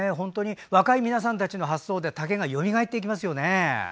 若い皆さんたちの発想で竹がよみがえっていきますよね。